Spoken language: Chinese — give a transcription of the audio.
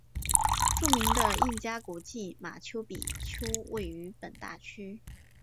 著名的印加古迹马丘比丘位于本大区。